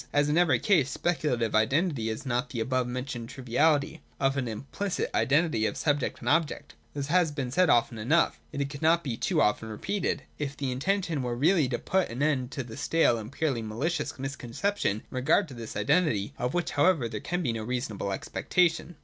As in every case, speculative identity is not the above mentioned triviality of an implicit identity of subject and object. This has been said often enough. Yet it could not be too often repeated, if the intention were really to put an end to the stale and purely malicious misconception in regard to this identity :— of which however there can be no reasonable expectation.